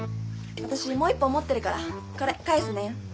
私もう１本持ってるからこれ返すね。